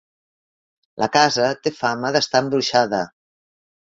La casa té fama d'estar embruixada.